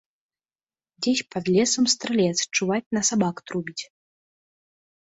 Дзесь пад лесам стралец, чуваць, на сабак трубіць.